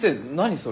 それ。